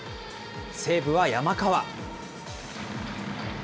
西武は山川。